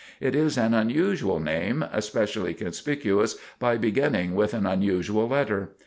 It is an unusual name, especially conspicuous by beginning with an unusual letter.